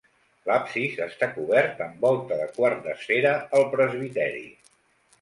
L'absis està cobert amb volta de quart d'esfera al presbiteri.